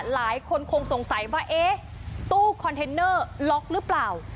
หลายคนคงสงสัยว่าเอ๊ะตู้คอนเทนเนอร์ล็อกหรือเปล่า